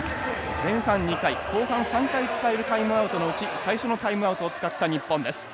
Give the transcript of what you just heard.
前半２回、後半３回使えるタイムアウトのうち最初のタイムアウトを使った日本。